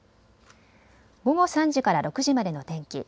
午後３時から６時までの天気。